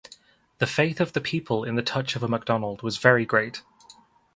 The faith of the people in the touch of a Macdonald was very great.